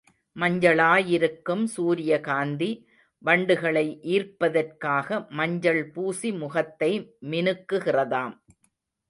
மஞ்சளாயிருக்கும் சூரியகாந்தி, வண்டுகளை ஈர்ப்பதற் காக மஞ்சள் பூசி முகத்தை மினுக்குகிறதாம்.